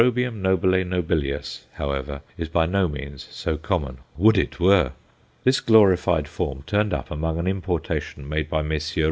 nobile nobilius_, however, is by no means so common would it were! This glorified form turned up among an importation made by Messrs.